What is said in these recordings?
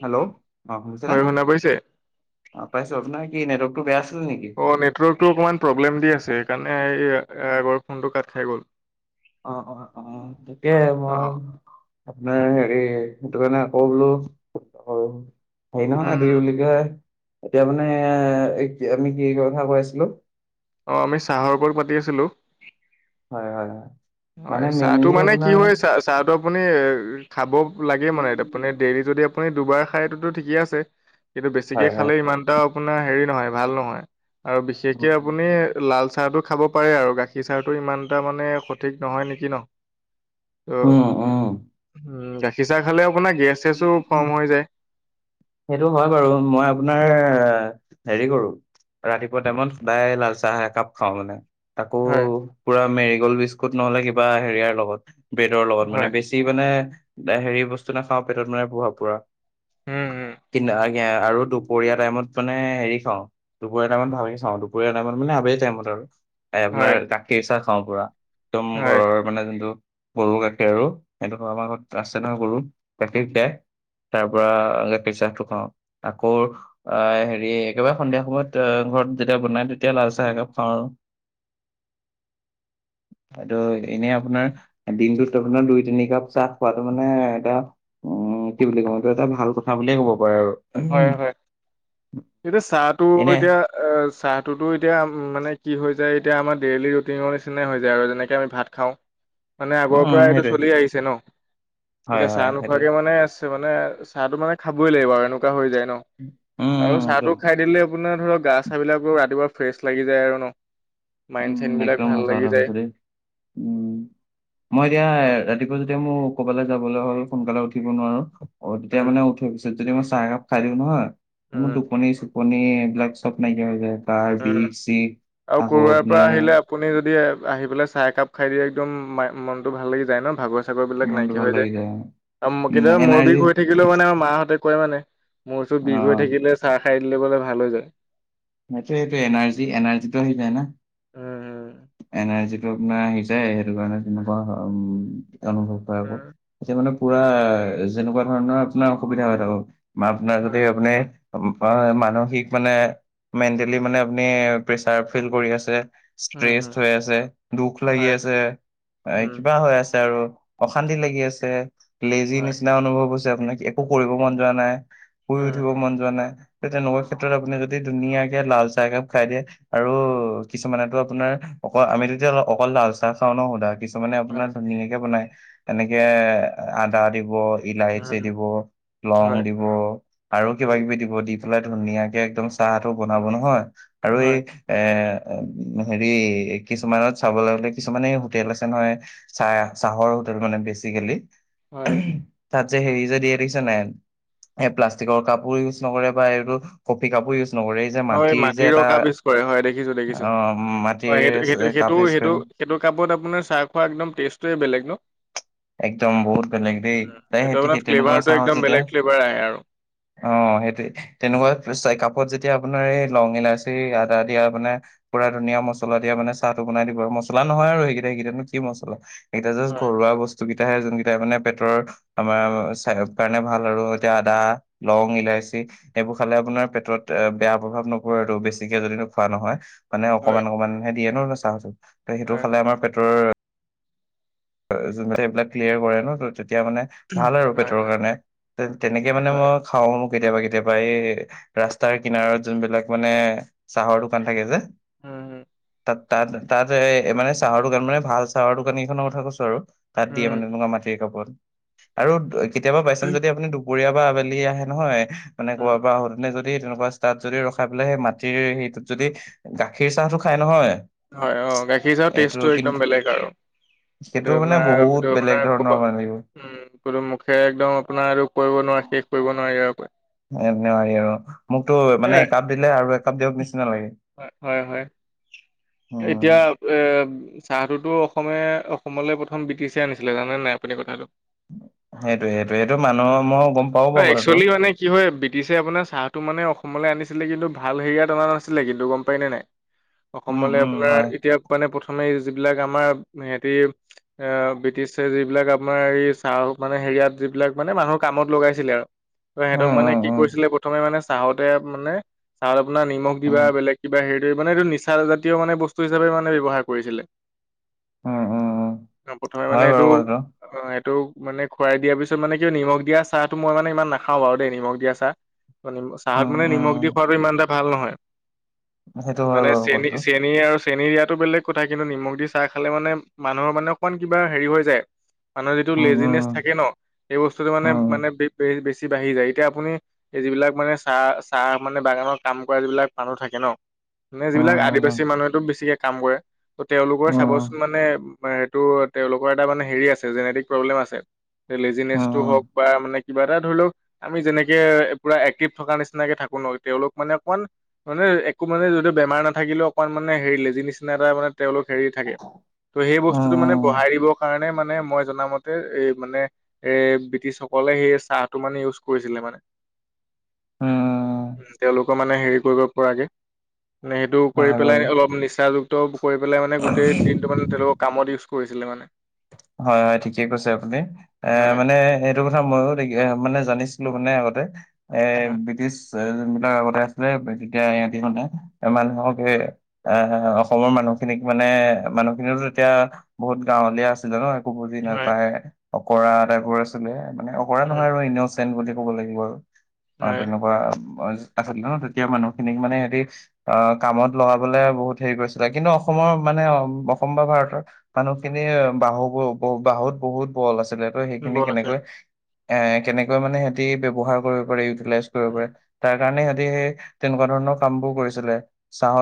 Hello অ শুনিছেনে হয় শুনা পাইছে অ পাইছো আপোনাৰ কি নেটৱৰ্কটো বেয়া আছিল নেকি? অঁ নেটৱৰ্কটো অকণমান প্ৰব্লেম দি আছে সেইকাৰণে এই আগৰ ফোনটো কাট খাই গ'ল। অ অ অ তাকে অ মই আপোনাৰ হেৰি সেইটো কাৰণে আকৌ বোলো সৰু হেৰি নহয় উম এইটো কি বুলি কয় এতিয়া মানে এই কি আমি কি কথা কৈ আছিলো অঁ আমি চাহৰ ওপৰত পাতি আছিলোঁ। হয় হয় হয়। হয়, মানে চাহটো মেইনলি মানে কি আপোনাৰ হয় চাহ- চাহটো আপুনি খাব লাগে মানে আপুনি ডেইলী যদি আপুনি দুবাৰ খায় এটোতো ঠিকেই আছে। কিন্তু বেছিকে হয় হয় খালে ইমানটা আপোনাৰ হেৰি নহয় ভাল নহয় আৰু বিশেষকে আপুনি লাল চাহটো খাব পাৰে আৰু গাখীৰ চাহটো ইমানটা মানে সঠিক নহয় নেকি ন? অ উম উম উ গাখী চাহ খালে আপোনাৰ গেছ চেছো উম ফৰ্ম হৈ যায়। সেইটো হয় বাৰু মই আপোনাৰ হেৰি কৰো ৰাতিপুৱা টাইমত সদায় লাল চাহ একাপ খাওঁ মানে তাকো হয়, পুৰা মেৰিগ'ল্ড বিস্কুট নহ'লে কিবা হেৰিয়াৰ লগত ব্ৰেডৰ লগত মানে হয় বেছি মানে হেৰি বস্তু নাখাওঁ পেটত মানে প্ৰভাৱ পৰা উম উম কি না - এ আৰু দুপৰীয়া টাইমত মানে হেৰি খাওঁ দুপৰীয়া টাইমত ভালকে চাওঁ দুপৰীয়া টাইমত মানে আবেলি টাইমত আৰু। এ হয় আপোনাৰ গাখীৰ চাহ খাওঁ পুৰা একদম হয় ঘৰৰ, মানে যোনটো গৰু গাখীৰ আৰু সেইটো আমাৰ ঘৰত আছে নহয় গৰু গাখীৰ খিৰাই তাৰ পৰা গাখীৰ চাহটো খাওঁ আকৌ, আহ হেৰি একেবাৰে সন্ধিয়া সময়ত ঘৰত যেতিয়া বনাই তেতিয়া লাল চাহ একাপ খাওঁ আৰু। এইটো এনেই আপোনাৰ দিনটোত আপোনাৰ দুই, তিনিকাপ চাহ খোৱাটো মানে এটা অঁ কি বুলি ক'ম? এইটো এটা ভাল কথা বুলিয়ে ক'ব পাৰা আৰু। হয়, হয়। কিন্তু চাহটো এনে এতিয়া এ চাহটোতো এতিয়া মানে কি হৈ যায়? এতিয়া আমাৰ ডেইলি ৰুটিনৰ নিচিনাই হৈ যায় আৰু যেনেকে আমি ভাত খাওঁ। মানে আগৰপৰাই উম এইটো সেইটোৱে চলি আহিছে ন'? হয় এতিয়া চাহ হয় সেইটোৱে নোখোৱাকে মানে মানে চাহটো মানে খাবই লাগিব আৰু এনেকুৱা হৈ যায় ন' উম আৰু উম চাহটো একদম খাই দিলে আপোনাৰ ধৰক গা-চা বিলাকো ৰাতিপুৱা ফ্ৰেছ লাগি যায় আৰু ন'। উম মাইণ্ড-চাইনবিলাক একদম ভাল সঁচা লাগি কথা যায়। কৈছে দেই উম মই এতিয়া ৰাতিপুৱা যেতিয়া মোৰ ক'বালে যাবলে হ'ল সোনকালে উঠিব নোৱাৰো অঁ তেতিয়া উম মানে উঠি পিছত যদি মই চাহ একাপ খাই দিওঁ নহয় মোৰ উম টোপনি- চোপ্ পনি এইবিলাক চব নাইকিয়া হৈ যায়। গাৰ বিষ- চিষ আকৌ পুৱাই আপোনাৰ আহিলে আপুনি যদি আহি পেলাই চাহ একাপ খাই দিয়ে একদম মা মনটো ভাল লাগি যায় ন'? ভাগ চাগৰ বিলাক মনটো নাইকিয়া ভাল হৈ যায়। লাগি আম উম কেতিয়াবা মূৰ বিষ এনাৰ্জি হৈ থাকিলেও মানে আমাৰ মাহঁতে কয় মানে, মোৰ -চুৰ বিষ হৈ অ' থাকিলে চাহ খাই দিলেমানে ভাল হৈ যায়। সেইটোৱে, সেইটোৱে নাৰ্জি এনাৰ্জিটো আহি যায় না। উম এনাৰ্জিটো আপোনাৰ আহি যায় সেইটোকাৰণে তেনেকুৱা হ--উম অনুভৱ হয় উম। আক'। এতিয়া মানে পুৰা- তেনেকুৱা ধৰণৰ আপোনাৰ অসুবিধা হয় তাকো বা আপোনাৰ যদি আপুনি মা মানসিক মানে, মেণ্টেলি মানে আপুনি প্ৰেচাৰ ফিল কৰি আছে উম ষ্ট্ৰেচ উম হৈ আছে, দুখ লাগি হয় আছে, উম কিবা হৈ আছে আৰু অশান্তি লাগি আছে, লেজি উম হয় নিচিনা অনুভৱ হৈছে আপোনাক একো কৰিব মন যোৱা নাই শুই উম উঠিব মন যোৱা নাই। ত' তেনেকুৱা ক্ষেত্ৰত আপুনি যদি ধুনীয়াকে লাল চাহ একাপ খাই দিয়ে আৰু হয় কিছুমানেটো আপোনাৰ অক--আমিটো এতিয়া অকল লাল চাহ খাওঁ ন' সদায় কিছু মানে আপোনাৰ উম ধুনীয়াকে বনাই এনেকে আদা দিব ইলাইছি উম দিব, হয় উম লং হয় দিব আৰু উম কিবা-কিবি দিব দি পেলাই ধুনীয়াকে একদম চাহটো বনাব নহয় আৰু এই হয় এ হেৰি কিছুমানত চাবলে গ'লে কিছুমানে হোটেল আছে নহয় চাহ চাহৰ হোটেল মানে বেচিকেলি হয় তাত যে হেৰি যে দিয়ে দেখিছা নাই? এ প্লাষ্টিকৰ কাপো ইউজ নকৰে বা এইটো কফি কাপো ইউজ নকৰে। যে হয়, মাটিৰ যে এটা মাটিৰকাপ ইজ কৰে হয় দেখিছোঁ অ দেখিছোঁ। মাটিৰ হয়, সেইটো, সেইটো কাপ সেইটো ইউজ কৰে সেইটো সেইটো কাপত আপোনাৰ চাহ খোৱা একদম টেষ্টটোৱেই বেলেগ ন'? একদম বহুত বেলেগ দেই তাই সেইটো সেই সেই আপোনাৰ তেনেকুৱা ফ্লেভাৰটো একদম বেলেগ ফ্লেভাৰ আহে আৰু। অঁ -সেইটোৱে। তেনেকুৱা চা কাপত যেতিয়া আপোনাৰ এই লং, ইলাচি, আদা দি আপোনাৰ পুৰা ধুনীয়া মছলা দিয়া মানে চাহটো বনাই দিব আৰু। মছলা নহয় আৰু সেইকেইটা সেইটানো কি মছলা। সেইকেইটা জাষ্ট হয় ঘৰুৱা বস্তু কেইটাহে যোনকেইটাই মানে পেটৰ আমাৰ স্বা কাৰণে ভাল আৰু এতিয়া আদা, লং, ইলাচি। এইবোৰ খালে আপোনাৰ পেটত এ বেয়া প্ৰভাৱ নপৰেটো বেছিকে যদি নো খোৱা নহয়। মানে হয় অকমান অকমান হে দিয়ে ন' চাহটোত। ত' সেইটো হয় খালে আমাৰ পেটৰ আ যোনকেইটাই এইবিলাক ক্লিয়াৰ কৰে ন' ত' তেতিয়া মানে ভাল আৰু হয় পেটৰ হয় কাৰণে। তে তেনেকে মানে হয় মই খাওঁ কেতিয়াবা কেতিয়াবা এই ৰাস্তাৰ কিনাৰত যোনবিলাক মানে চাহৰ দোকান থাকে যে। উম, উম। তাত্ তাত এ মানে চাহৰ দোকান মানে ভাল চাহৰ দোকান কেইখনৰ কথা কৈছো আৰু। তাত দিয়ে উম মানে তনেকুৱা মাটিৰ কাপত আৰু কেতিয়াবা বাইছেঞ্চ যদি আপুনি দু দুুপুৰীয়াৰ পৰা আবেলি আহে নহয় মানে ক'ব উম পৰা, নে যদি তেনেকুৱা তাত যদি ৰখাই পেলাই সেই মাটিৰ হেইটোত যদি গাখীৰ চাহটো খাই নহয়। হয় অ গাখীৰ চাৰ এইটো টেষ্টটো কিন্তু একদম বেলেগ আৰু সেইটো এইটো মানে আপোনাৰ বহুত এইটো বেলেগ আপোনাৰ ধৰণৰ ক'বা মানে লাগিব উম কোনো মুখে একদম আপোনাৰ আৰু কৰিব নোৱাৰে শেষ কৰিব নোৱাৰে ইয়াৰ পৰা, সি আৰু মোকতো মানে একাপ দিলে আৰু একাপ দিয়ক নিচিনা লাগে। হয় হয় হয়। এতিয়া উম, এ চাহটোতো অসমে অসমলৈ প্ৰথম ব্ৰিটিচ আনিছিলে জানে নাই আপুনি কথাটো, সেইটোয় সেইটো সেইটো মানুহৰ উম মই গম পাও অ বাৰু কথাটো। একচুৱেলি মানে কি হয় ব্ৰিটিছে আপোনাৰ চাহটো মানে অসমলৈ আনিছিলে কিন্তু ভাল হেৰিয়াত অনা নাছিলে কিন্তু গম পায়নে নাই। উম, অসমলৈ উম, বোলে হয়। এতিয়া মানে প্ৰথমে যিবিলাক আমাৰ হেতি, ব্ৰিটিছে যিবিলাক আপোনাৰ এই চাহ মানে হেৰিয়াত যিবিলাক মানে মানুহৰ কামত লগাইছিলে আৰু ত উম, সিহঁতক মানে উম, কি উম, কৰিছিলে প্ৰথমে মানে চাহতে মানে চাহত আপোনাৰ নিমখ দিবা উম, বেলেগ কিবা হেৰি কৰি মানে এইটো নি নিচা জাতীয় মানে বস্তু হিচাপে মানে ব্যৱহাৰ কৰিছিলে। উম, উম, উম, অ প্ৰথমে হয় মানে বাৰু এইটো, কথাটো। অ এইটো মানে খৰাই দিয়াৰ পিছত মানে কিয় নিমখ দিয়া চাহটো মই মানে ইমান নাখাওঁ বাৰু দেই নিমখ দিয়া চাহ। চাহত উম, মানে উম, নিমখ দি খোৱাটো ইমাএটা ভাল নহয়। সেইটো হয় মানে বাৰু চেনি কথাটো। চেনি আৰু চেনী দিয়াাতো বেলেগ কথা কিন্তু নিমখ দি চাহ খালে মানে মানুহৰ মানে অকণমান কিবা হেৰি হৈ যায়। মানুহৰ যিটো উম, উম, লেজিনেছ থাকে ন সেই বস্তুটো মানে উম, মানে বেছি বাঢ়ি যায় এতিয়া আপুনি, এই যিবিলাক মানে চাহ চাহ মানে বাগানৰ কাম কৰা যিবিলাক মানুহ থাকে ন। মানে উম, যিবিলাক উম, আদিবাসী মানুহেটো বেছিকে কাম কৰে ত তেওঁলোকৰ উম, চাবচোন মানে, মানে সেইটো তেওঁলোকৰ এটা মানে হেৰি আছে জেনেটিক প্ৰব্লেম আছে উম, উম, লেজিনেছটো হওক, বা মানে কিবা এটা ধৰি লওক। আমি যেনেকে পুৰা এক্টিভ থকা নিচিনাকে থাকো ন তেওঁলোক মানে অকমান। মানে একো মানে য বেমাৰ নাথাকিলেও অকণ মানে হেৰিলেজি নিচিনা এটা মানে তেওঁলোক হেৰি থাকে ত' সেই উম, উম, বস্তুটো মানে, উম, বঢ়াই দিবৰ কাৰণে মানে মই জনামতে এই মানে, এৰ ব্ৰিটিছসকলে সেই চাহটো মানে ইউজ কৰিছিলে মানে। উ উম তেওঁলোকৰ মানে হেৰি কৰিব পৰাকে। মানে সেইটো কৰি হয় বাৰু। পেলাই অলপ নিচাযুক্ত কৰি পেলাই মানে গোটেই দিনটো মানে তেওঁলোকক, কামত ইউজ কৰিছিলে মানে। হয় হয় ঠিকে কৈছে আপুনি এ হয়, মানে হেটো কথা ময়ো মানে জানিছিলো মানে আগতে এ হয়, ব্ৰিটিছ, যোন বিলাক আগতে আছিলে তেতিয়া ইহতি মানে মানুহক সেই, আহ অসমৰ মানুহখিনিক মানে মানুহখিনি তেতিয়া বহুত গাঁৱলীয়া আছে। ন একো বুজি হয়, নাপায় অকৰা এটাইপোৰ আছিলে মানে অকৰা উম, নহয় আৰু এনেও বুলি ক'ব লাগিব আৰু অ হয়, তেনেকুৱা আচলতে ন তেতিয়া মানুহখিনিক মানে হেটি, আহ কামত লগাবলে বহুত হেৰি কৰিছিলে কিন্তু অসমৰ মানে অসম বা ভাৰতৰ, মানুহ খিনি বাহু বাহুত বহুত বল আছিলে ত' সেইখিনি বল আছে। কেনেকৈ। এ কেনেকৈ মানে সিহতি ব্যৱহাৰ কৰিব পাৰে ইউটিলাইজ কৰিব উম, পাৰে তাৰ কাৰণে উম, সিহঁতি স তেনেকুৱা ধৰণৰ কাম বোৰ কৰিছিলে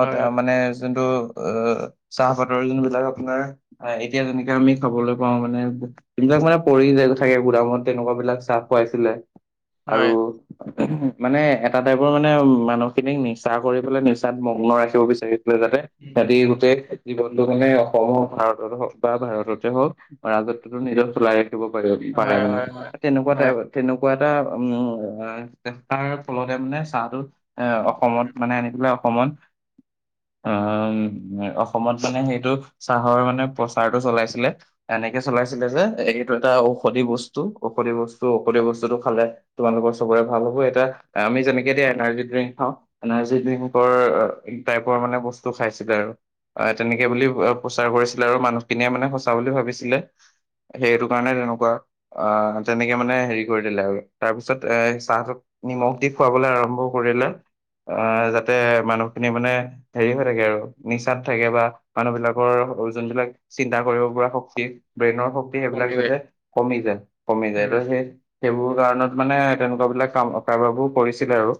হয়, হয়, মানে যোনটো, অ চাহপাতৰ যোন বিলাক আপোনাৰ এতিয়া যেনেকে আমি খাবলৈ পাওঁ মানে। যোনবিলাক মানে পৰি যায় থাকে গুডামত তেনেকুৱা বিলাক চাহ খোৱাইছিলে আৰু হয়, মানে এটা টাইপৰ মানে মানুহখিনিক নিচা কৰি পেলাই নিচাত মগ্ন ৰাখিব বিচাৰিছিলে, যাতে উম, হেঁতি উম, গোটেই খেতি বন্ধ মানে অসমৰ ভাৰতত হওক বা ভাৰততে হওক ৰাজত্বতো নিজৰ চলাই ৰাখিব পাৰিব পাৰে হয়, মানে হয়, হয়, তেনেকুৱা হয় টাইপৰ তেনেকুৱা এটা উম চেষ্টাৰ ফলতে মানে চাহটো এ অসমত উম, মানে আনি পাই অসমত আহ অসমত মানে সেইটো চাহৰ মানে প্ৰচাৰটো চলাইছিলে। এনেকে চলাইছিলে যে এইটো এটা ঔষধি বস্তু ঔষধি বস্তু ঔষধি বস্তুটো খালে তোমালোকৰ চবৰে ভাল হ'ব এটা আমি যেনেকে দিয়া এনাৰ্জি ড্ৰিংক খাওঁ। এনাৰ্জি ড্ৰিংকৰ টাইপৰ মানে বস্তু খাইছিলে আৰু অ তেনেকে বুলি প্ৰচাৰ কৰিছিলে আৰু মানুহখিনিয়ে মানে সঁচা বুলি ভাবিছিলে সেইটো কাৰণে তেনেকুৱা আহ তেনেকে মানে হেৰি কৰি দিলে আৰু তাৰ পিছত এ চাহটোক নিমখ দি খুৱাবলৈ আৰম্ভ কৰিলে আহ যাতে মানুহখিনি মানে হেৰি হৈ থাকে আৰু নিচাত থাকে বা মানুহ বিলাকৰ যোনবিলাক চিন্তা কৰিব পৰা শক্তি ব্ৰেইনৰ শক্তি সেইবিলাক কমি যায়। যাতে কমি যায় কমি যায় উম, ত' সেই সেইবোৰ কাৰণত মানে তেনেকুৱা বিলাক কাম কাৰবাৰ বোৰ কৰিছিলে আৰু।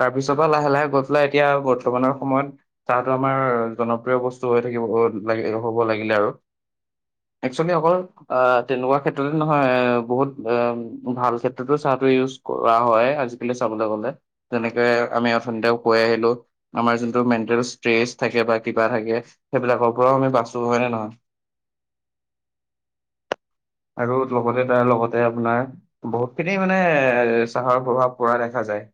তাৰপিছৰ পৰা লাহে লাহে গৈ পেলাই এতিয়া বৰ্তমানৰ সময়ত চাহটো আমাৰ জনপ্ৰিয় বস্তু হৈ থাকিব হব লাগিলেও আৰু। একচুৱেলি অকল অ' তেনেকুৱা ক্ষেত্ৰতে নহয় বহুত এ ভাল ক্ষেত্ৰতো চাহটো ইউজ কৰা হয় আজিকালি চাবলৈ গলে তেনেকে আমি অথনীতে কৈ আহিলো। আমাৰ যোনটো মেণ্টেল ষ্ট্ৰেচ থাকে বা কিবা থাকে সেইবিলাকৰ পৰাও আমি বা তোৰ হয় নে নহয়? [inaudible] আৰু লগতে তাৰ লগতে আপোনাৰ বহুত খিনি মানে এ চাহৰ প্ৰভাৱ পৰা দেখা যায়।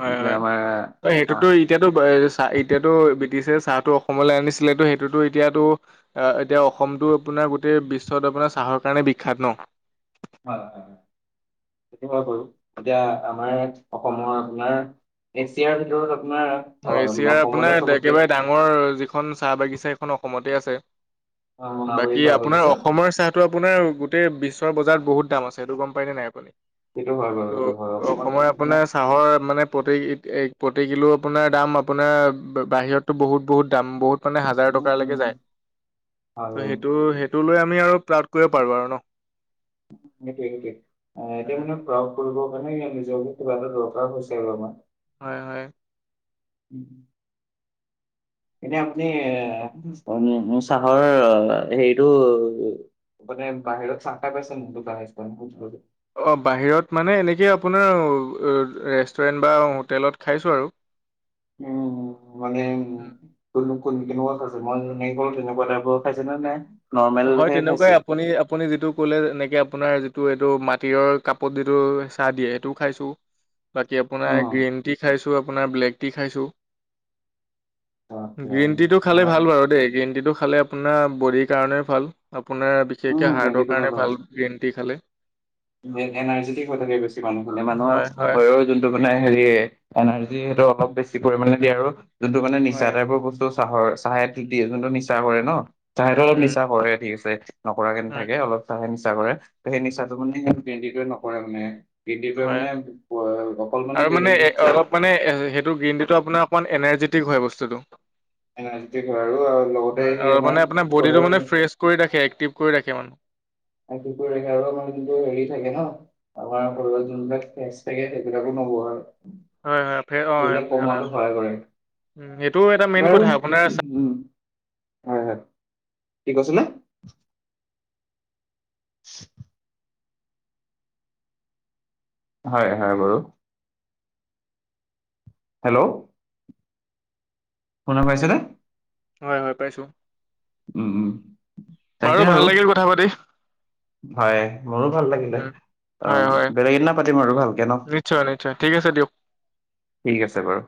হয় যে হয়, আমাৰ ত' অ হয় সেইটোতো এতিয়াতো চাহ এতিয়াতো ব্ৰিটিছে চাহটো অসমলৈ আনিছিলেতো সেইটোতো এতিয়াতো আহ এতিয়া অসমটো আপোনাৰ গোটেই বিশ্বত আপোনাৰ চাহৰ কাৰণে বিখ্যাত ন? হয় হয়, সেইটো হয় বাৰু এতিয়া আমাৰ অসমৰ আপোনাৰ এছিয়াৰ ভিতৰত আপোনাৰ অ এছিয়াৰ অসমতে আপোনাৰ চবতকে একেবাৰে ডাঙৰ যিখন চাহ বাগিচা সেইখন অসমতে আছে। অ মোনাবাৰী বাকী চাহ আপোনাৰ বাগিচা অসমৰ চাহ টো আপোনাৰ গোটেই বিশ্বৰ বজাৰত বহুত দাম আছে, এইটো গম পায় নাই আপুনি? সেইটো হয় বাৰু ত' সেইটো হয় অকমান অসমৰ সমস্যা। আপোনাৰ চাহৰ মানে প্ৰ এই প্ৰতি কিলো আপোনাৰ দাম আপোনাৰ বাহিৰতো বহুত বহুত দাম বহুত মানে হাজাৰ উম টকা লৈকে উম যায় হয় ত' বাৰু সেইটো সেইটো লৈ আমি আৰু প্ৰাউড কৰিব পাৰো আৰু ন। সেইটোৱে সেইটোৱে, এতিয়া উম, মানে প্ৰাউড কৰিবৰ কাৰণে ই নিজকে কিবা এটা দৰকাৰ হৈছে আৰু আমাৰ। হয় হয়। উম এতিয়া আপুনি এ চাহৰ হেৰিটো মানে বাহিৰত চাহ খাই পাইছা নাই দোকানে চোকানে ক'ৰবাত? অঁ বাহিৰত মানে এনেকে আপোনাৰ ৰেষ্টুৰেণ্ট বা হোটেলত খাইছোঁ আৰু। উম মানে কোন কোন কেনেকোৱা খাইছে মই নাৰিকল তেনেকোৱা টাইপৰ খাইছে নে নাই হয় নৰ্মেলহে তেনেকুৱাই খাইছে আপুনি আপুনি যিটো ক'লে এনেকে আপোনাৰ যিটো এইটো মাটিৰৰ কাপত যিটো চাহ দিয়ে সেইটোও খাইছোঁ বাকী অ আপোনাৰ গ্ৰীণ টি খাইছো আপোনাৰ ব্লেক টি খাইছো আচ্ছা গ্ৰীণ টি টো আচ্ছা খালে মানে ভাল বাৰু দেই গ্ৰীণ টিটো খালে আপোনাৰ বডিৰ কাৰণে ভাল আপোনাৰ উম বিশেষকে হাৰ্টৰ গ্ৰেভিটো কাৰণে ভাল গ্ৰীণ টি খালে মেইন এনাৰ্জেটিক হৈ থাকে বেছি মানুহ খালে মানুহৰ হয় হয় শৰীৰৰ যোনটো মানে হেৰি এনাৰ্জি সেইটো অলপ বেছি পৰিমাণে দিয়ে আৰু যোনটো মানে নিচা হয় টাইপৰ বস্তু চাহৰ চাহত দিয়ে যোনটো নিছা কৰে ন চাহেত অলপ উম নিচা কৰে ঠিক আছে নকৰাকে হয় নেথাকে অলপ চাহে নিচা কৰে ত সেই নিচাটো মানে গ্ৰীনটীটোৱে নকৰে মানে গ্ৰীনটিটোৱে প হয় মানে অকল আৰু মানে এ বেনিফিট যে অলপ মানে সেইটো গ্ৰীনটি ত আপোনাৰ অকনমান এনাৰ্জেটিক হয় বস্তুটো এনাৰ্জেটিক হয় আৰু আৰু লগতে হয় আৰু সি মানে আমাৰ আপোনাৰ বডিটো মানে শৰীৰৰ ফ্ৰেছ কৰি ৰাখে এক্টিভ কৰি ৰাখে মানুহ [unintelligible] ৰাখে আৰু মানে কিন্তু হেৰি থাকে ন আমাৰ শৰীৰত যোনবিলাক তেজ থাকে সেইবিলাকো নব আৰু হয় হয় ফ্ৰে অ হয় সেইবিলাক হয় কমোৱাতো সহায় কৰে উম, সেইটো এটা মেইন কথা বাৰু আপোনাৰ চা উম হয় হয় কি কৈছিলে [unintelligible] হয় হয় বাৰু হেল্ল শুনা পাইছেনে হয় হয় পাইছো উম উম তাকে বাৰু আৰু ভাল লাগিল কথা পাতি হয় মোৰো ভাল লাগিলে উম, অ হয় হয় বেলেগে এদিনা পাতিম আৰু ভালকে ন নিশ্চয় নিশ্চয় ঠিক আছে দিয়ক। ঠিক আছে বাৰু